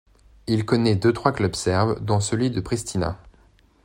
Il connaît deux-trois clubs serbes dont celui de Pristina.